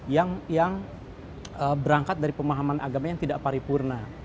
yang berangkat dari pemahaman agama yang tidak paripurna